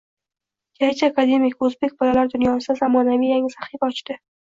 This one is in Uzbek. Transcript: «Jajji akademik» o‘zbek bolalar dunyosida zamonaviy yangi sahifa ochdi.